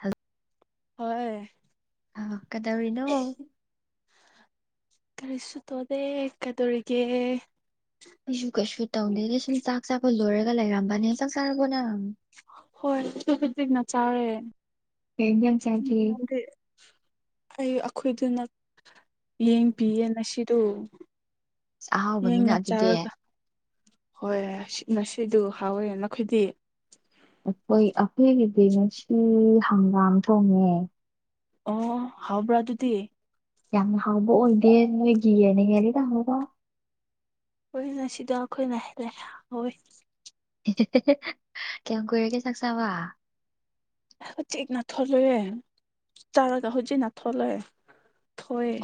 ꯍꯜ ꯍꯣꯏ ꯑ ꯀꯩꯗꯧꯔꯤꯅꯣ ꯀꯔꯤꯁꯨ ꯇꯧꯗꯦ ꯀꯩꯗꯧꯔꯤꯒꯦ ꯑꯩꯁꯨ ꯀꯩꯁꯨ ꯇꯧꯗꯦꯗ ꯁꯨꯝ ꯆꯥꯛ ꯆꯥꯕ ꯂꯣꯏꯔꯒ ꯂꯩꯔꯝꯕꯅꯦ ꯆꯥꯛ ꯆꯥꯔꯕꯣ ꯅꯪ ꯍꯣꯏ ꯑꯗꯨ ꯍꯧꯖꯤꯛꯅ ꯆꯥꯔꯦ ꯀꯩ ꯏꯟꯖꯥꯡ ꯆꯥꯒꯦ ꯅꯪꯗꯤ ꯑꯩ ꯑꯈꯣꯏꯗꯅ ꯌꯦꯡ ꯄꯤꯌꯦ ꯑꯁ ꯉꯁꯤꯗꯨ ꯑꯍꯥꯎꯕꯅꯤꯅ ꯌꯦꯡꯅ ꯑꯗꯨꯗꯤ ꯆꯥꯔꯒ ꯍꯣꯏ ꯉꯁꯤꯗꯨ ꯍꯥꯎꯋꯦ ꯅꯈꯣꯏꯗꯤ ꯑꯩꯈꯣꯏ ꯑꯩꯈꯣꯏꯒꯤꯗꯤ ꯉꯁꯤ ꯍꯪꯒꯥꯝ ꯊꯣꯡꯉꯦ ꯑꯣ ꯍꯥꯎꯕ꯭ꯔꯥ ꯑꯗꯨꯗꯤ ꯌꯥꯝꯅ ꯍꯥꯎꯕ ꯑꯣꯏꯗꯦ ꯅꯣꯏꯒꯤ ꯍꯦꯟꯅ ꯍꯦꯜꯂꯤꯗ [unintelligible] ꯍꯣꯏ ꯉꯁꯤꯗꫭ ꯑꯩꯈꯣꯏꯅ ꯍꯦꯜꯂꯦ ꯍꯥꯎꯋꯤ ꯀꯌꯥꯝ ꯀꯨꯏꯔꯒꯦ ꯆꯥꯛꯆꯥꯕ ꯍꯧꯖꯤꯛ ꯅꯊꫭ ꯂꯣꯏꯋꯦ ꯆꯥꯗ ꯍꯧꯖꯤꯛ ꯅꯥꯊꫭ ꯂꯣꯏꯔꯦ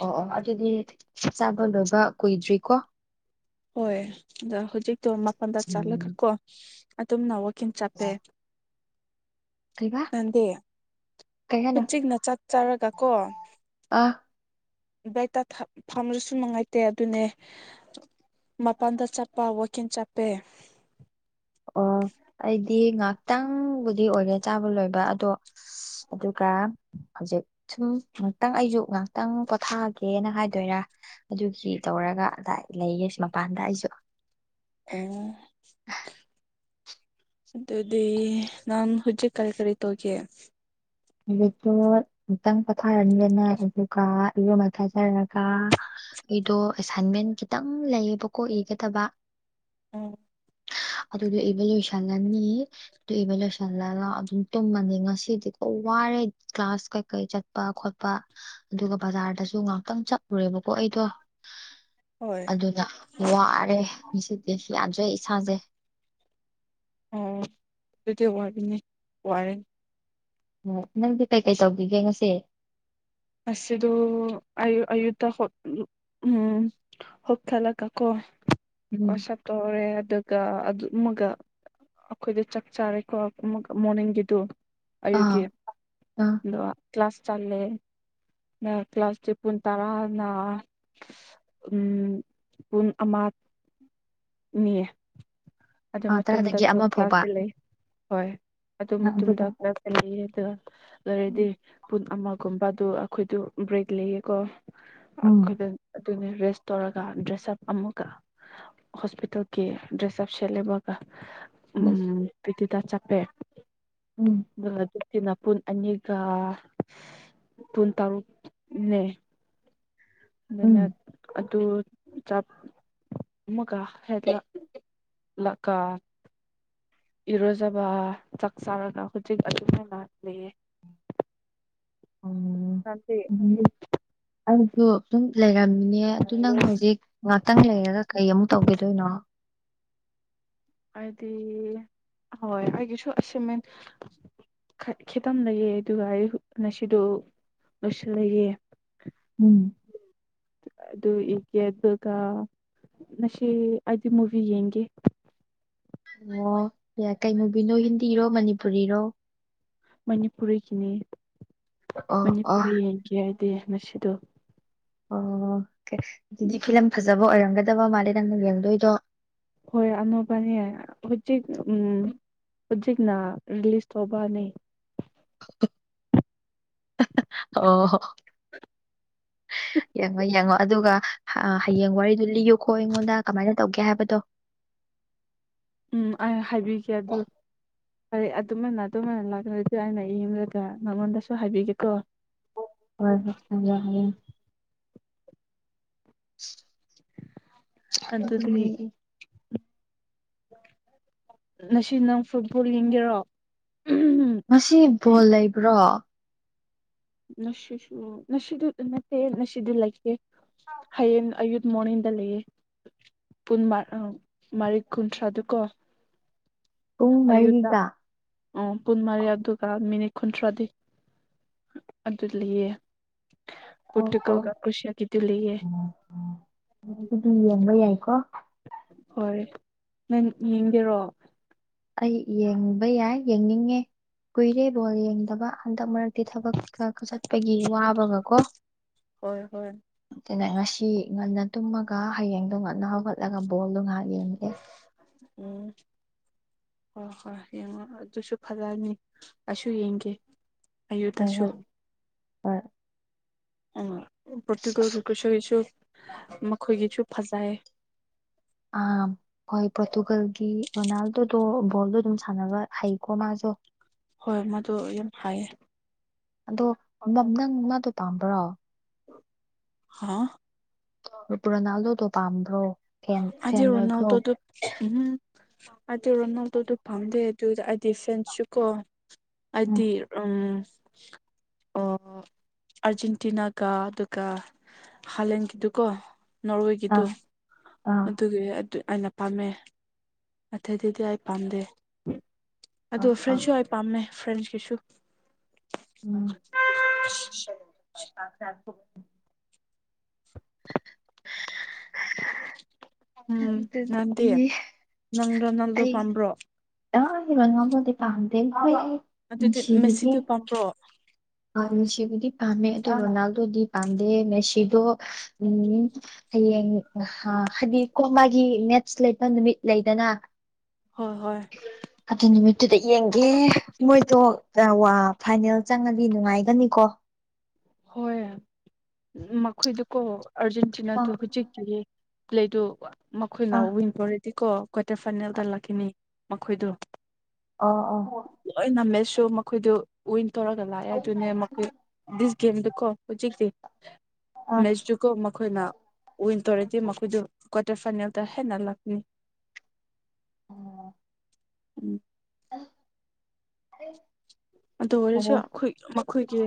ꯑꯣ ꯑꯣ ꯑꯗꯨꯗꯤ ꯆꯥꯕ ꯂꯣꯏꯕ ꯀꯨꯏꯗ꯭ꯔꯤꯀꯣ ꯍꯣꯏ ꯑꯗ ꯍꯧꯖꯤꯛꯇꯣ ꯃꯄꯟꯗ ꯆꯠꯂꯒ ꯀꯣ ꯑꯗꯨꯝꯅ ꯀꯩꯝ ꯆꯥꯗꯦ ꯀꯩꯕ ꯅꯪꯗꯤ ꯀꯩ ꯍꯥꯏꯅꯣ ꯍꯧꯖꯤꯛꯅ ꯆ ꯆꯥꯔꯒ ꯀꯣ ꯑꯥ ꯕꯦꯛꯇ ꯐꯝ ꯐꯝꯔꯁꯨ ꯅꯨꯡꯉꯥꯏꯇꯦ ꯑꯗꯨꯅꯦ ꯃꯄꯥꯟꯗ ꯆꯠꯄ ꯋꯥꯛꯀꯤꯡ ꯆꯞꯄꯦ ꯑꯣ ꯑꯩꯗꯤ ꯉꯥꯛꯇꯪꯕꯨꯗꯤ ꯑꯣꯏꯔꯦ ꯆꯥꯕ ꯂꯣꯏꯕ ꯑꯗꯣ ꯑꯁ ꯑꯗꯨꯒ ꯍꯧꯖꯤꯛ ꯁꯨꯝ ꯉꯥꯛꯇꯪ ꯑꯩꯁꯨ ꯉꯥꯛꯇꯪ ꯄꯣꯊꯥꯒꯦꯅ ꯍꯥꯏꯗꯣꯏꯔꯥ ꯑꯗꯨꯒꯤ ꯇꯧꯔꯒ ꯑꯗꯥꯏ ꯂꯩꯌꯦ ꯁꯤ ꯃꯄꯥꯟꯗ ꯑꯩꯁꯨ ꯑꯣ ꯑꯗꯨꯗꯤ ꯅꯪ ꯍꯧꯖꯤꯛ ꯀꯔꯤ ꯀꯔꯤꯇꯧꯒꯤ ꯍꯧꯖꯤꯛꯇꫭ ꯉꯥꯛꯇꯪ ꯄꯣꯊꯥꯔꯅꯤꯅ ꯑꯗꯨꯒ ꯏꯔꯨ ꯃꯥꯏꯊꯥꯖꯔꯒ ꯑꯩꯗꯣ ꯑꯦꯁꯥꯏꯟꯃꯦꯟ ꯈꯤꯇꯪ ꯂꯩꯌꯦꯕꯀꯣ ꯏꯒꯗꯕ ꯎꯝ ꯑꯗꯨꯗꯤ ꯏꯕ ꯂꯣꯏꯁꯟꯉꯅꯤ ꯑꯗꯨ ꯏꯕꯥ ꯂꯣꯏꯁꯤꯟꯒꯔꯒ ꯑꯗꯨꯝ ꯇꯨꯝꯃꯅꯤ ꯉꯁꯤꯗꯤ ꯈꯋ꯭ꯥꯔꯦ ꯀ꯭ꯂꯥꯁ ꯀꯩꯀꯩ ꯆꯠꯄ ꯈꯣꯠꯄ ꯑꯗꯨꯒ ꯕꯖꯥꯔꯗꯁꯨ ꯉꯍꯥꯛꯇꯪ ꯆꯠꯂꯨꯔꯦꯕꯀꯣ ꯑꯩꯗꯣ ꯍꯣꯏ ꯑꯗꯨꯅ ꯋꯥꯔꯦ ꯉꯥꯁꯤꯗꯤ ꯌꯥꯗꯔꯦ ꯏꯁꯥꯁꯦ ꯑꯣ ꯑꯗꯨꯗꯤ ꯋꯥꯔꯤꯅꯤ ꯋꯥꯔꯦ ꯑꯣ ꯅꯪꯗꯤ ꯀꯩꯀꯩ ꯇꯧꯈꯤꯒꯦ ꯉꯁꯤ ꯑꯁ ꯑꯗꯨꯝ ꯑꯌꯨꯛ ꯑꯌꯨꯛꯇ ꯍꯧꯈꯠꯂꯒꯀꯣ ꯎꯝ ꯋꯥꯁ ꯎꯞ ꯇꯧꯔꯦ ꯑꯗꯨꯒ ꯑꯗꯨ ꯃꯒ ꯑꯩꯈꯣꯏꯗꯨ ꯆꯥꯛ ꯆꯥꯔꯦꯀꯣ ꯑꯃꯨꯛ ꯃꯣꯔꯅꯤꯡꯒꯤꯗꯨ ꯑꯥ ꯑꯌꯨꯛꯀꯤ ꯑꯥ ꯑꯗꯣ ꯀ꯭ꯂꯥꯁ ꯆꯠꯂꯦ ꯅ ꯀ꯭ꯂꯥꯁ ꯆꯦ ꯄꯨꯡ ꯇꯔꯥ ꯅ ꯎꯝ ꯄꯨꯡ ꯑꯃ ꯅꯤꯌꯦ ꯑꯗꯨ ꯑꯥ ꯃꯇꯨꯡꯗ ꯇꯔꯥꯗꯒꯤ ꯑꯗꯨ ꯑꯃ ꯐꯥꯎꯕ ꯀ꯭ꯂꯥꯁ ꯂꯩ ꯍꯣꯏ ꯑꯗꯨ ꯑꯥ ꯑꯗꯨꯒ ꯃꯇꯨꯡꯗ ꯈꯔ [unintelligible] ꯑꯗꯨꯒ ꯂꯩꯔꯗꯤ ꯎꯝ ꯄꯨꯡ ꯑꯃ ꯒꯨꯝꯕꯗꯨ ꯑꯩꯈꯣꯏꯗꯨ ꯕ꯭ꯔꯦꯛ ꯂꯩꯌꯦꯀꯣ ꯎꯝ ꯑꯩꯈꯣꯏꯗ ꯑꯗꯨꯅꯦ ꯔꯦꯁ ꯇꯧꯔꯒ ꯗ꯭ꯔꯦꯁ ꯑꯞ ꯑꯃꯨꯛꯀ ꯍꯣꯁꯄꯤꯇꯥꯜꯒꯤ ꯗ꯭ꯔꯦꯁꯑꯞ ꯁꯦꯠꯂꯣꯏꯕꯒ ꯎꯝ ꯄꯔꯦꯛꯇꯤꯀꯜ ꯆꯠꯂꯦ ꯎꯝ ꯑꯗꯨꯒ ꯍꯧꯖꯤꯛꯀꯤꯅ ꯄꯨꯡ ꯑꯅꯤꯒ ꯄꯨꯡ ꯇꯔꯨꯛꯅꯦ ꯑꯗꯨꯅ ꯎꯝ ꯑꯗꯨ ꯆꯠ ꯑꯃꯨꯛꯀꯥ [unintelligible] ꯂꯥꯛꯀ ꯏꯔꯨꯖꯕ ꯆꯥꯛ ꯆꯥꯔꯒꯥ ꯍꯨꯖꯤꯛ ꯑꯃꯨꯛ ꯂꯛꯂꯦ ꯑꯝ ꯅꯠꯇꯦ ꯑꯩꯁꯨ ꯑꯗꯨꯝ ꯂꯩꯔꯝꯃꯤꯅꯦ ꯑꯗꯨ ꯅꯪ ꯍꯧꯖꯤꯛ ꯉꯥꯛꯇꯪ ꯂꯩꯔꯒ ꯀꯩ ꯑꯃꯨꯛ ꯇꯧꯒꯤꯗꯣꯏꯅꯣ ꯑꯩꯗꯤ ꯍꯣꯏ ꯑꯩꯒꯤꯁꯨ ꯑꯁꯨ ꯈꯠ ꯈꯤꯇꯪ ꯂꯩꯌꯦ ꯑꯗꯨꯒ ꯑꯩ ꯉꯁꯤꯗꯨ ꯃꯥꯁꯤꯟ ꯂꯩꯌꯦ ꯎꯝ ꯑꯗꯨ ꯌꯦꯛꯀꯦ ꯑꯗꯨꯒ ꯉꯁꯤ ꯑꯩꯗꯤ ꯃꯨꯚꯤ ꯌꯦꯡꯒꯦ꯫ ꯋꯧ ꯌꯥ ꯀꯩ ꯃꯨꯚꯤꯅꯣ ꯍꯤꯟꯗꯤꯔꯣ ꯃꯅꯤꯄꯨꯔꯤꯔꯣ ꯃꯅꯤꯄꯨꯔꯤꯒꯤꯅꯤ ꯑꯣ ꯑꯣ ꯃꯅꯤꯄꯨꯔꯤ ꯌꯦꯡꯒꯦ ꯑꯩꯗꯤ ꯉꯁꯤꯗꯣ ꯑꯣ ꯑꯗꯨꯗꯤ ꯐꯤꯂꯝ ꯐꯖꯕ ꯑꯣꯏꯔꯝꯒꯗꯕ ꯃꯥꯜꯂꯦ ꯅꯪꯅ ꯌꯦꯡꯗꯣꯏꯗꯣ ꯍꯣꯏ ꯑꯅꯧꯕꯅꯤ ꯍꯧꯖꯤꯛ ꯎꯝ ꯍꯧꯖꯤꯛꯅ ꯔꯤꯂꯤꯁ ꯇꯧꯕꯅꯤ ꯑꯣ ꯌꯦꯡꯉꯣ ꯌꯦꯡꯉꯣ ꯑꯗꯨꯒ ꯍꯌꯦꯡ ꯋꯥꯔꯤꯗꯨ ꯂꯤꯌꯨꯀꯣ ꯑꯩꯉꯣꯟꯗ ꯀꯃꯥꯏꯅ ꯇꯧꯒꯦ ꯍꯥꯏꯕꯗꯣ ꯎꯝ ꯑꯩ ꯍꯥꯏꯕꯤꯒꯦ ꯑꯗꯨ ꯐꯔꯦ ꯑꯗꯨꯃꯥꯏꯅ ꯑꯗꯨꯝ [unintelligible] ꯑꯩ ꯌꯦꯡꯂꯒ ꯅꯉꯣꯟꯗꯁꯨ ꯍꯥꯏꯕꯤꯒꯦꯀꯣ ꯍꯣꯏ ꯍꯣꯢ ꯍꯥꯏꯌꯣ ꯍꯥꯏꯌꯣ [unintelligible] ꯑꯗꯨꯗꯤ ꯑꯗꯨꯅꯦ꯫ ꯉꯁꯤ ꯅꯪ ꯐꯨꯠꯕꯣꯜ ꯌꯦꯡꯒꯦꯔꯣ ꯉꯁꯤ ꯕꯣꯜ ꯂꯩꯕ꯭ꯔꯣ ꯉꯁꯤꯁꯨ ꯉꯁꯤꯗꯤ ꯅꯠꯇꯦ ꯉꯁꯤꯗꯤ ꯂꯩꯇꯦ ꯍꯌꯦꯡ ꯑꯌꯨꯠ ꯃꯣꯔꯅꯤꯗ ꯂꯩꯌꯦ ꯄꯨꯟꯃꯥꯔꯛ ꯑꯣ ꯃꯔꯤꯛ ꯀꯨꯟꯊ꯭ꯔꯥꯗꯨ ꯀꯣ ꯄꯨꯡ ꯑꯌꯨꯛꯇ ꯃꯔꯤꯗ ꯑꯣ ꯄꯨꯟ ꯃꯔꯤ ꯑꯗꯨꯒ ꯃꯤꯅꯤꯠ ꯀꯨꯟꯊ꯭ꯔꯥꯗꯤ ꯑꯗꯨ ꯂꯩꯌꯦ ꯑꯣ ꯑꯣ ꯄꯇꯨꯀꯜꯒ ꯀ꯭ꯔꯨꯁꯤꯌꯥꯒꯤꯗꯨ ꯂꯩꯌꯦ ꯑꯗꯨꯗꯤ ꯌꯦꯡꯕ ꯌꯥꯏꯀꯣ ꯍꯣꯏ ꯅꯪ ꯌꯦꯡꯒꯦꯔꯣ ꯑꯩ ꯌꯦꯡꯕ ꯌꯥꯏ ꯌꯦꯡꯅꯤꯡꯉꯦ ꯀꯨꯏꯔꯦ ꯕꯣꯜ ꯌꯦꯡꯗꯕ ꯍꯟꯗꯛ ꯃꯔꯛ ꯇꯤ ꯊꯕꯛꯀ ꯆꯠꯄꯒꯤ ꯋꯥꯕꯒ ꯀꯣ ꯍꯣꯏ ꯍꯣꯏ ꯑꯗꯨꯅ ꯉꯁꯤ ꯉꯟꯅ ꯇꯨꯝꯃꯒ ꯍꯌꯦꯡꯗꯣ ꯉꯟꯅ ꯍꯧꯒꯠ ꯂꯒ ꯕꯣꯜꯗꯣ ꯉꯥꯏꯍꯥꯛ ꯌꯦꯡꯉꯦ ꯎꯝ ꯍꯣꯏ ꯍꯣꯏ ꯌꯦꯡꯉꯣ ꯑꯗꯨꯁꯨ ꯐꯂꯅꯤ ꯑꯩꯁꯨ ꯌꯦꯡꯒꯦ ꯍꯣꯏ ꯑꯌꯨꯗꯁꯨ ꯍꯣꯏ ꯍꯣꯏ ꯎ ꯄ꯭ꯔꯣꯇꯨꯀꯣꯜꯒ ꯀꯨꯔꯁꯒꯤꯁꯨ ꯃꯈꯣꯏꯒꯤꯁꯨ ꯐꯖꯩ ꯑꯥ ꯍꯣꯏ ꯄꯣꯔꯇꯨꯒꯜꯒꯤ ꯔꯣꯅꯥꯜꯗꯣꯗꯣ ꯕꯣꯜꯗꯣ ꯑꯗꯨꯝ ꯁꯥꯟꯅꯕ ꯍꯩꯀꯣ ꯃꯥꯁꯨ ꯍꯣꯏ ꯃꯗꯣ ꯌꯥꯝ ꯍꯥꯏꯌꯦ ꯑꯗꯣ ꯅꯝ ꯅꯪ ꯃꯥꯗꯣ ꯄꯥꯝꯕ꯭ꯔꯣ ꯍꯥꯥ ꯔꯨꯄ ꯔꯣꯅꯥꯜꯗꯣꯗꯣ ꯄꯝꯕ꯭ꯔꯣ ꯑꯩꯗꯤ ꯔꯣꯅꯥꯜꯗꯣꯗꯨ ꯎꯝ ꯑꯗꯤ ꯔꯣꯅꯥꯜꯗꯨꯗꯨ ꯄꯝꯗꯦ ꯑꯗꯨ ꯑꯩꯗꯤ ꯐ꯭ꯔꯦꯟꯁꯨ ꯀꯣ ꯎꯝ ꯍꯥꯏꯗꯤ ꯎꯝ ꯑ ꯑꯥꯔꯖꯦꯟꯇꯤꯅꯥꯒ ꯑꯗꯨꯒ ꯍꯥꯂꯦꯟꯒꯤꯗꯨꯀꯣ ꯑꯥ ꯅꯣꯔꯋꯦꯒꯤꯗꯨ ꯑꯥ ꯑꯗꯨꯒꯤ ꯑꯗꯨ ꯑꯩꯅ ꯄꯥꯝꯃꯦ ꯑꯇꯩ ꯑꯗꯨꯗꯤ ꯑꯩ ꯄꯥꯝꯗꯦ ꯑ ꯑꯗꯨ ꯑ ꯐ꯭ꯔꯦꯟꯁꯨ ꯄꯝꯃꯦ ꯐ꯭ꯔꯦꯁꯀꯤꯁꯨ ꯥ [unintelligible] [unintelligible] [unintelligible] ꯎꯝ ꯅꯥꯟꯗꯦ ꯅꯪ ꯔꯣꯅꯜꯗꯣ ꯄꯥꯝꯕ꯭ꯔꯣ ꯑ ꯔꯣꯅꯥꯜꯗꯣꯗꯤ ꯄꯥꯝꯗꯦ ꯑꯗꯨꯗꯤ ꯃꯦꯁꯤꯗꯣ ꯄꯥꯝꯕ꯭ꯔꯣ ꯑ ꯃꯦꯁꯤꯕꯨꯗꯤ ꯄꯥꯝꯃꯦ ꯑꯗꯣ ꯔꯣꯅꯥꯜꯗꯣꯗꯤ ꯄꯥꯝꯗꯦ ꯃꯦꯁꯤꯗꯣ ꯎꯝ ꯍꯌꯦꯡ ꯍꯥ ꯍꯥꯏꯗꯤ ꯀꯣ ꯃꯥꯒꯤ ꯃꯦꯠꯁ ꯂꯩꯕ ꯅꯨꯃꯤꯠ ꯂꯩꯗꯅ ꯍꯣꯏ ꯍꯣꯏ ꯑꯗꯨ ꯅꯨꯃꯤꯠꯇꯨꯗ ꯌꯦꯡꯒꯦ ꯃꯣꯏꯗꯣ ꯑ ꯋꯥ ꯐꯥꯏꯅꯦꯜ ꯆꯪꯉꯗꯤ ꯅꯨꯡꯉꯥꯏꯒꯅꯤꯀꯣ ꯍꯣꯏ ꯃꯈꯣꯏꯗꯨꯀꯣ ꯑꯥ ꯑꯥꯔꯖꯦꯟꯇꯤꯅꯥꯗꯨ ꯍꯧꯖꯤꯛꯇꯤ ꯄ꯭ꯂꯦꯗꯨ ꯃꯈꯣꯏꯅ ꯑꯥ ꯋꯤꯟ ꯇꯣꯔꯦꯗꯤꯀꯣ ꯀ꯭ꯋꯥꯇꯔ ꯐꯥꯏꯅꯦꯜꯗ ꯂꯥꯛꯈꯤꯅꯤ ꯃꯈꯣꯏꯗꯣ ꯑ ꯑ ꯂꯣꯏꯅ ꯃꯦꯠꯁꯁꯨ ꯃꯈꯣꯏꯗꯨ ꯋꯤꯟ ꯇꯧꯔꯒ ꯂꯥꯛꯑꯦ ꯑ ꯑꯗꯨꯅꯦ ꯃꯈꯣꯏ ꯕꯤꯁ ꯒꯦꯝꯗꯨꯀꯣ ꯍꯧꯖꯤꯛꯇꯤ ꯃꯦꯠꯁꯇꯨꯀꯣ ꯃꯈꯣꯏꯅ ꯋꯤꯟ ꯇꯧꯔꯗꯤ ꯃꯈꯣꯏꯗꯨ ꯀ꯭ꯋꯥꯔꯇꯔ ꯐꯥꯏꯅꯦꯜꯗ ꯍꯦꯟꯅ ꯂꯥꯛꯅꯤ ꯑꯣ ꯎꯝ ꯑ ꯑꯔꯦ ꯑꯗꯨ ꯑꯣꯏꯔꯁꯨ ꯈꯣꯏ ꯃꯈꯣꯏꯒꯤ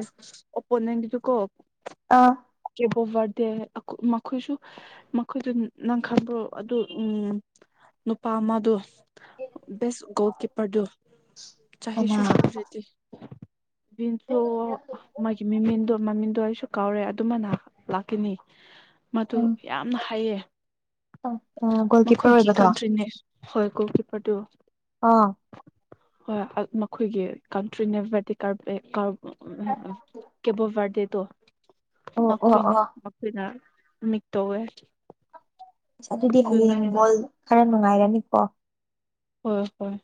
ꯑꯣꯄꯣꯅꯦꯟꯒꯤꯗꯨꯀꯣ ꯑꯥ ꯀꯦꯕꯣ ꯕꯔꯠꯗꯦ ꯑꯈꯣ ꯃꯥꯈꯣꯏꯁꯨ ꯃꯈꯣꯏꯗꯨ ꯅꯪ ꯈꯡꯕ꯭ꯔꯣ ꯑꯗꯨ ꯎꯝ ꯅꯨꯄꯥ ꯑꯃꯗꯣ ꯕꯦꯁ ꯒꯣꯜ ꯀꯤꯄꯔꯗꯣ ꯀꯅꯥ ꯆꯍꯤꯁꯨ ꯁꯨꯗ꯭ꯔꯗꯤ ꯕꯤꯟꯁꯨ ꯑꯣꯃꯥꯒꯤ ꯃꯦꯃꯦꯟꯗꯣ ꯃꯃꯤꯡꯗꯣ ꯑꯩꯁꯨ ꯀꯥꯎꯔꯦ ꯇꯨꯃꯅ ꯂꯥꯛꯈꯤꯅꯤ ꯃꯇꯣ ꯎꯝ ꯌꯥꯝꯅ ꯍꯥꯏꯌꯦ ꯒꯣꯜ ꯀꯤꯞꯄꯔ ꯃꯈꯣꯏꯒꯤ ꯑꯣꯏꯕꯗꯣ ꯀꯟꯇ꯭ꯔꯤꯅꯦ ꯍꯣꯏ ꯒꯣꯜꯀꯤꯞꯄꯔꯗꯨ ꯑꯥ ꯍꯣꯏ ꯃꯈꯣꯏꯒꯤ ꯀꯟꯇ꯭ꯔꯤꯅꯦ ꯕꯔꯗꯤ ꯀꯥꯔꯞ ꯑꯦ ꯀꯥꯔꯞ ꯀꯦꯕꯣꯕꯥꯔꯗꯦ ꯇꯣ ꯑꯣ ꯑꯣ ꯃꯈꯣꯏꯅꯦ ꯑꯣ ꯃꯈꯣꯏꯅ ꯅꯤꯛ ꯇꯧꯋꯦ ꯑꯁ ꯑꯗꯨꯗꯤ ꯑꯗꯨꯅꯦ ꯍꯌꯦꯡ ꯕꯣꯜ ꯈꯔ ꯅꯨꯡꯉꯥꯏꯔꯅꯤꯀꯣ ꯍꯣꯏ ꯍꯣꯏ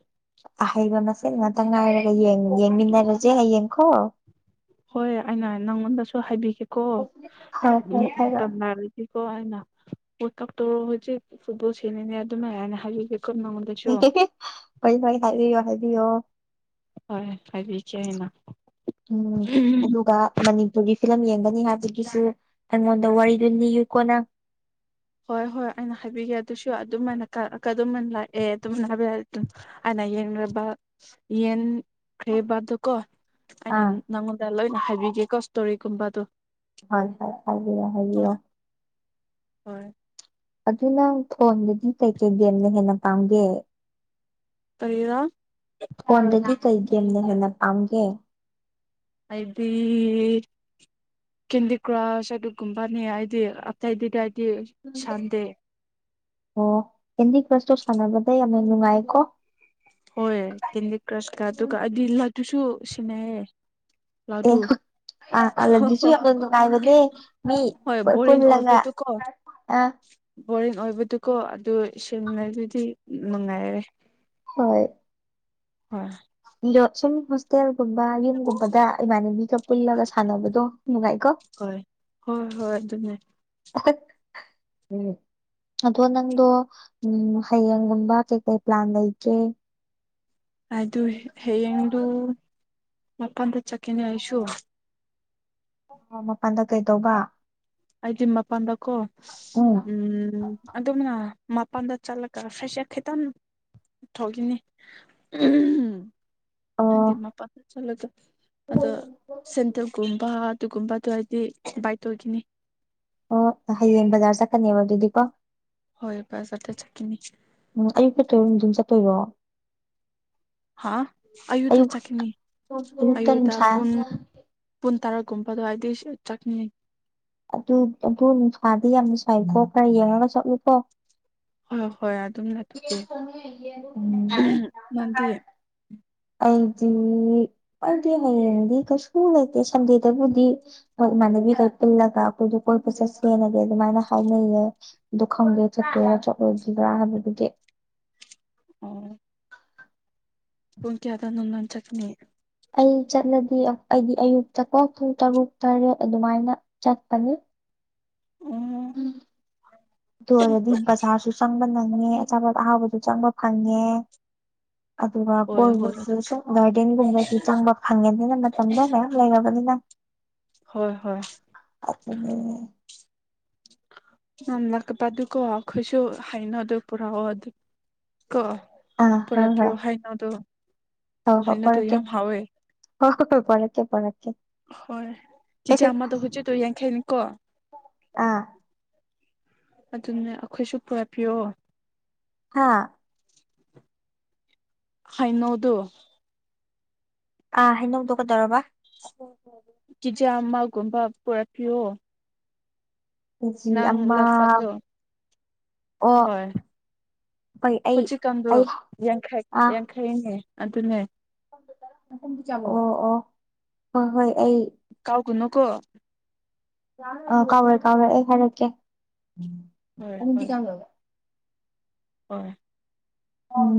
ꯑꯍꯩꯕ ꯃꯁꯦꯜ ꯉꯥꯠꯇ ꯉꯥꯏꯔꯒ ꯌꯦꯡ ꯌꯦꯡꯃꯤꯟꯅꯔꯁꯦ ꯍꯌꯦꯡꯈꯣ ꯍꯣꯏ ꯑꯩꯅ ꯅꯪꯉꯣꯟꯗꯁꯨ ꯍꯥꯏꯕꯤꯒꯦꯀꯣ ꯍꯣꯏ ꯍꯣꯏ ꯍꯥꯏꯔꯣ ꯇꯝꯅꯔꯤꯛ ꯒꯤꯀꯣ ꯑꯩꯅ ꯋꯥꯜꯀꯞꯇꯣ ꯍꯣꯖꯤꯛ ꯐꯨꯠꯕꯣꯜ ꯁꯦꯅꯤꯅꯦꯠ ꯗꯨꯃꯥꯏ ꯍꯥꯟꯅ ꯍꯥꯏꯕꯤꯒꯦꯀꯣ ꯃꯉꯣꯟꯗꯒꯤ ꯐꯩ ꯐꯩ ꯍꯥꯏꯕꯤꯌꯣ ꯍꯥꯏꯕꯤꯌꯣ ꯍꯣꯏ ꯍꯥꯏꯕꯤꯆꯦ ꯍꯥꯏꯅ ꯎꯝ ꯑꯗꯨꯒ ꯃꯅꯤꯄꯨꯔꯒꯤ ꯐꯤꯂꯝ ꯌꯦꯡꯒꯅꯤ ꯍꯥꯏꯕꯒꯤꯁꯨ ꯑꯩꯉꯣꯟꯗ ꯋꯥꯔꯤꯗꯨ ꯅꯤꯌꯨꯀꯣ ꯅꯪ ꯍꯣꯏ ꯍꯣꯏ ꯑꯩꯅ ꯍꯥꯏꯕꯤꯒꯦ ꯑꯗꯨꯁꯨ ꯑꯗꯨꯝꯃꯥꯏꯟꯅ ꯀꯥ ꯀꯥꯗꯨꯝꯃꯥꯏꯟ ꯂꯥꯛꯑꯦ ꯑꯗꯨꯝꯅ ꯍꯥꯏꯕꯤꯔꯠ ꯗꯨꯝ ꯑꯥꯟꯅ ꯌꯦꯡꯔꯕ ꯌꯦꯟꯈꯔꯦꯕꯗꯨꯞ ꯀꯣ ꯑꯩꯅ ꯑꯥ ꯅꯪꯉꯣꯟꯗ ꯂꯣꯏꯅ ꯍꯥꯏꯕꯤꯒꯦꯀꯣ ꯏꯁꯇꯣꯔꯤꯒꯨꯝꯕꯗꯣ ꯍꯥꯏꯐꯥꯏ ꯍꯥꯏꯕꯤꯔꯣ ꯍꯥꯏꯕꯤꯌꯣ ꯍꯣꯏ ꯍꯣꯏ ꯑꯗꯨꯅꯪ ꯐꯣꯟꯗꯗꯤ ꯀꯩꯀꯩ ꯒꯦꯝꯅ ꯍꯦꯟꯅ ꯄꯥꯝꯒꯦ ꯀꯔꯤꯔ ꯐꯣꯟꯗꯒꯤ ꯀꯩ ꯒꯦꯝꯅ ꯍꯦꯟꯅ ꯄꯥꯝꯒꯦ ꯑꯩꯕꯤ ꯀꯦꯟꯗꯤ ꯀ꯭ꯔꯁ ꯑꯗꯨꯒꯨꯝꯕꯅꯦ ꯑꯩꯗꯤ ꯑꯇꯩꯗꯤ ꯀꯌꯥ ꯑꯩꯏꯗꯤ ꯁꯥꯟꯗꯦ ꯑꯣ ꯍꯦꯟꯗꯤ ꯀ꯭ꯔꯁꯇꯣ ꯁꯥꯟꯅꯕꯗ ꯌꯥꯝꯅ ꯅꯨꯡꯉꯥꯏ ꯀꯣ ꯍꯣꯏ ꯀꯦꯟꯗꯤ ꯀ꯭ꯔꯁꯀ ꯑꯗꯨꯒ ꯑꯗꯤꯂꯠ ꯇꯨꯁꯨ ꯁꯤꯟꯅꯩꯌꯦ ꯂꯥꯗꯨ ꯑ ꯑꯂꯗꯤꯁꯨ ꯌꯥꯈꯨꯟ ꯅꯨꯡꯉꯥꯏꯕꯗꯦ ꯃꯤ ꯍꯣꯏ ꯕꯣꯔꯤꯡ ꯄꯜꯄꯨꯜꯂꯒ ꯑꯣꯏꯕꯗꯨꯀꯣ ꯑ ꯕꯣꯔꯤꯡ ꯑꯣꯏꯕꯗꯨꯀꯣ ꯑꯗꯨ ꯁꯦꯝꯅꯗꯨꯗꯤ ꯅꯨꯡꯉꯥꯏꯔꯦ ꯍꯣꯏ ꯍꯣꯏ ꯂꯣꯠꯁꯤꯟ ꯐꯁ ꯇꯦꯜꯒꯨꯝꯕ ꯌꯨꯝꯒꯨꯝꯕꯗ ꯏꯃꯥꯟꯅꯕꯤꯒ ꯄꯨꯜꯂꯒ ꯁꯥꯟꯅꯕꯗꯣ ꯅꯨꯡꯉꯥꯏꯀꯣ꯫ ꯍꯣꯏ ꯍꯣꯏ ꯍꯣꯏ ꯑꯗꯨꯅꯦ꯫ [unintelligible] ꯑꯗꯣ ꯅꯪꯗꯣ ꯎꯝ ꯍꯌꯦꯡꯒꯨꯝꯕ ꯀꯩ ꯀꯩ ꯄ꯭ꯂꯥꯟ ꯂꯩꯒꯦ꯫ ꯑꯗꯨ ꯍꯌꯦꯡꯗꯨ ꯃꯄꯥꯟꯗ ꯆꯠꯀꯦꯅꯦ ꯑꯩꯁꯨ ꯑꯣ ꯃꯄꯥꯟꯗ ꯀꯩꯗꯧꯕ ꯑꯩꯗꯤ ꯃꯄꯥꯟꯗꯀꯣ ꯎꯝ ꯑꯗꯨꯝꯅ ꯃꯄꯥꯟꯗ ꯆꯠꯂꯒ ꯐꯔ꯭ꯦꯁꯔ ꯈꯤꯇꯪ ꯊꯣꯛꯈꯤꯅꯤ [unintelligible] ꯑꯣ ꯍꯥꯢꯗꯤ ꯃꯄꯥꯟꯗ ꯆꯠꯂꯒ ꯑꯗꯣ ꯁꯦꯟꯗꯦꯜꯒꯨꯝꯕ ꯗꯨꯒꯨꯝꯕꯗꯣ ꯑꯩꯗꯤ ꯕꯥꯏꯠ ꯇꯧꯗꯣꯢꯅꯦ ꯑꯣ ꯍꯌꯦꯡ ꯕꯖꯥꯔ ꯆꯠꯀꯅꯦꯕ ꯑꯗꯨꯗꯤ ꯀꯣ ꯍꯣꯢ ꯕꯖꯥꯔꯗ ꯆꯀꯅꯤ ꯎꯝ ꯑꯌꯨꯛ ꯆꯠꯇꯣꯢꯔꯣ ꯅꯨꯡꯗꯤꯟ ꯆꯠꯇꯣꯢꯔꯣ ꯍꯥꯥ ꯑꯌꯨꯇ ꯑꯌꯨꯛ ꯆꯠꯀꯅꯤ ꯑꯌꯨꯛꯇ ꯑꯌꯨꯇ ꯅꯨꯡꯁꯥ ꯄꯨꯡ ꯄꯨꯡ ꯇꯔꯥꯒꯨꯝꯕ ꯑꯗꯨꯋꯥꯢꯗꯩꯁꯨ ꯆꯠꯀꯤꯅꯤ ꯑꯗꯨ ꯑꯗꯨ ꯅꯨꯡꯁꯥꯗꯤ ꯌꯥꯝꯅ ꯁꯥꯢꯀꯣ ꯈꯔ ꯌꯦꯡꯉꯒ ꯆꯠꯂꯨꯀꯣ ꯍꯣꯢ ꯍꯣꯢ ꯑꯗꯨꯝꯅ ꯗꯣꯀꯦ ꯎꯝ ꯅꯪꯗꯤ ꯑꯩꯗꯤ ꯑꯩꯗꯤ ꯍꯌꯦꯡꯗꯤ ꯀꯩꯁꯨ ꯂꯩꯇꯦ ꯁꯟꯗꯦꯗꯕꯨꯗꯤ ꯍꯣꯢ ꯏꯃꯥꯟꯅꯕꯤ ꯈꯩ ꯄꯨꯜꯂꯒ ꯑꯩꯈꯣꯢꯁꯨ ꯀꯣꯢꯕ ꯆꯠꯁꯦꯅꯗꯤ ꯑꯗꯨꯃꯥꯢꯅ ꯍꯥꯢꯅꯩꯌꯦ ꯑꯗꯨ ꯈꯪꯗꯦ ꯆꯠꯇꯣꯢꯔ ꯆꯠꯂꯣꯏꯗꯤꯔꯥ ꯍꯥꯢꯕꯗꯨꯗꯤ ꯎꯝ ꯄꯨꯡ ꯀꯌꯥꯗꯅꯣ ꯅꯪ ꯆꯠꯀꯅꯤ ꯍꯥꯢꯗꯣ ꯑꯩ ꯆꯠꯂꯗꯤ ꯑꯩꯗꯤ ꯑꯌꯨꯛꯇ ꯀꯣ ꯄꯨꯡ ꯇꯔꯨꯛ ꯇꯔꯦꯠ ꯑꯗꯨꯃꯥꯢꯅ ꯆꯠꯀꯅꯤ ꯑꯣ ꯎꯝ ꯇꯨꯑꯣꯢꯔꯗꯤ ꯕꯖꯥꯔꯁꯨ ꯆꯪ [unintelligible] ꯑꯆꯥꯄꯣꯠ ꯑꯍꯥꯎꯕꯗꯨ ꯆꯪꯕ ꯐꯪꯉꯦ ꯑꯗꯨꯒ ꯍꯣꯏ ꯍꯣꯏ ꯀꯣꯢꯕꯁꯨ ꯁꯨꯝ ꯒꯥꯔꯗꯦꯟꯒꯨꯝꯕꯁꯨ ꯆꯪꯕ ꯐꯪꯉꯦꯗꯅ ꯃꯇꯝꯗꯣ ꯃꯌꯥꯝ ꯂꯩꯔꯕꯅꯤꯅ [inaudible] ꯍꯣꯢ ꯍꯣꯢ [unintelligible] [unintelligible] ꯀꯣ ꯈꯣꯢꯁꯨ ꯍꯩꯅꯧꯗꯣ ꯄꯨꯔꯑꯣ ꯑꯗꯨ ꯀꯣ ꯑꯥ ꯄꯨꯔꯥꯄꯤꯌꯣ ꯍꯥꯢꯅꯣꯗꯣ ꯍꯣ ꯍꯣ ꯄꯣꯔꯛꯀꯦ ꯍꯣ ꯍꯣ ꯍꯣ ꯄꯣꯔꯛꯀꯦ ꯄꯣꯔꯛꯀꯦ ꯍꯣꯢ ꯆꯤꯆꯦ ꯑꯃꯗ ꯍꯧꯖꯤꯛꯇꯨ ꯌꯦꯡꯈꯩꯅꯤꯀꯣ ꯑꯥ ꯑꯗꯨꯅꯦ ꯑꯩꯈꯣꯢꯁꯨ ꯄꯨꯔꯛꯄꯤꯌꯣ ꯍꯥꯥ ꯍꯩꯅꯧꯗꯨ ꯑꯥ ꯍꯩꯅꯧꯗꯣ ꯀꯩꯗꯧꯔꯕ ꯆꯤꯆꯦ ꯑꯃꯒꯨꯝꯕ ꯄꯨꯔꯛꯄꯤꯌꯣ ꯀꯦꯖꯤ ꯅꯪ ꯑꯃ ꯂꯛꯁꯠꯇꯣ ꯑꯣ ꯍꯣꯢ ꯍꯣꯏ ꯑꯩ ꯍꯧꯖꯤꯛꯀꯥꯟꯗꯣ ꯑꯩ ꯌꯥꯡꯈꯩ ꯌꯥꯡꯈꯩꯅꯦ ꯑꯗꯨꯅꯦ ꯑꯗꯨꯝ ꯆꯪꯂꯛꯑꯣ ꯑꯣ ꯍꯣꯢ ꯍꯣꯢ ꯑꯩ ꯀꯥꯎꯒꯅꯨꯀꯣ ꯑꯥ ꯀꯥꯎꯔꯣꯢ ꯀꯥꯎꯔꯣꯢ ꯑꯩ ꯍꯥꯢꯔꯛꯀꯦ ꯍꯣꯏ [unintelligible] ꯍꯣꯢ ꯑꯥꯝ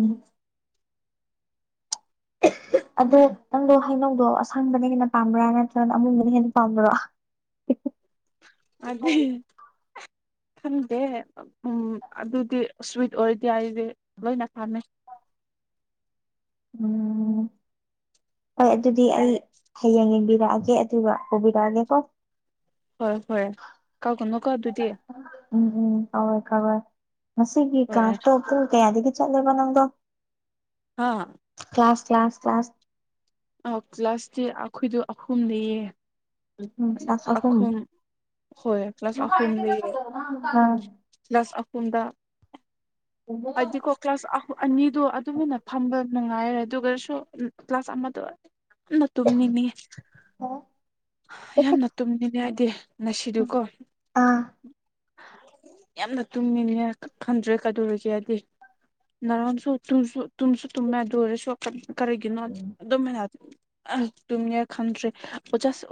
ꯑꯗꯣ ꯅꯪꯗꯣ ꯍꯩꯅꯧꯗꯣ ꯑꯁꯪꯕꯅ ꯍꯦꯟꯅ ꯄꯥꯝꯕ꯭ꯔꯥ ꯅꯠꯇ꯭ꯔꯒꯅ ꯑꯃꯨꯟꯕꯅ ꯍꯦꯟꯅ ꯄꯥꯝꯕ꯭ꯔꯥ ꯍꯥꯢꯗꯤ ꯈꯪꯗꯦ ꯎꯝ ꯑꯗꯨꯗꯤ ꯁ꯭ꯋꯤꯠ ꯑꯣꯏꯔꯗꯤ ꯑꯩꯗꯤ ꯂꯣꯏꯅ ꯄꯥꯝꯃꯦ ꯎꯝ ꯍꯣꯏ ꯑꯗꯨꯗꯤ ꯑꯩ ꯍꯌꯦꯡ ꯌꯦꯡꯕꯤꯔꯛꯑꯒꯦ ꯑꯗꯨꯒ ꯄꯨꯕꯤꯔꯛꯑꯒꯦ ꯀꯣ ꯍꯣꯏ ꯐꯔꯦ ꯀꯥꯎꯒꯅꯣꯀꯣ ꯑꯗꯨꯗꯤ ꯎꯝ ꯎꯝ ꯀꯥꯎꯔꯣꯢ ꯀꯥꯎꯔꯣꯢ ꯉꯁꯤꯒꯤ ꯍꯣꯏ ꯀ꯭ꯂꯥꯁꯇꯣ ꯄꯨꯡ ꯀꯌꯥꯗꯒꯤ ꯆꯠꯂꯕ ꯅꯪꯗꯣ ꯑꯥ ꯀ꯭ꯂꯥꯁ ꯀ꯭ꯂꯥꯁ ꯀ꯭ꯂꯥꯁ ꯑ ꯀ꯭ꯂꯥꯁꯇꯤ ꯑꯩꯈꯣꯏꯗꯣ ꯑꯍꯨꯝꯅꯦꯌꯦ ꯎꯝ ꯀ꯭ꯂꯥꯁ ꯑꯍꯨꯝ ꯑꯈꯨꯝ ꯍꯣꯏ ꯀ꯭ꯂꯥꯁ ꯑꯍꯨꯝꯅꯦꯌꯦ ꯀ꯭ꯂꯥꯁ ꯑꯍꯨꯝꯗ ꯑꯩꯗꯤꯀꯣ ꯀ꯭ꯂꯥꯁ ꯑꯍꯨ ꯑꯅꯤꯗꯣ ꯑ ꯇꯨꯃꯤꯟꯅ ꯐꯝꯕ ꯅꯨꯡꯉꯥꯏꯔꯦ ꯑꯗꯨꯒꯁꯨ ꯀ꯭ꯂꯥꯁ ꯑꯃꯗꯣ ꯌꯥꯝꯅ ꯇꯨꯝꯅꯤꯡꯅꯤ ꯌꯥꯝꯅ ꯇꯨꯝꯅꯤꯡꯉꯦ ꯑꯩꯗꯤ ꯉꯁꯤꯗꯤꯀꯣ ꯑꯥ ꯌꯥꯝꯅ ꯇꯨꯝꯅꯤꯡꯉꯦ ꯈꯪꯗ꯭ꯔꯦ ꯀꯩꯗꯧꯔꯤꯒꯦ ꯑꯩꯗꯤ ꯅꯔꯣꯟꯁꯨ ꯇꯨꯝꯁꯨ ꯇꯨꯝꯁꯨ ꯇꯨꯝꯃꯦ ꯑꯗꯨ ꯑꯣꯏꯔꯁꯨ ꯆꯠ ꯀꯔꯤꯒꯤꯅꯣ ꯑꯗꯨꯃꯩꯅ ꯑꯥ ꯇꯨꯝꯅꯦ ꯈꯟꯗ꯭ꯔꯦ ꯑꯣꯖꯁꯨ